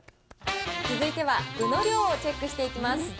続いては具の量をチェックしていきます。